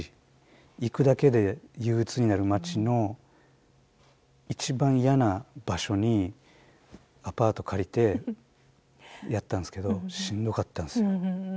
行くだけで憂鬱になる街の一番嫌な場所にアパート借りてやったんですけどしんどかったんですよ。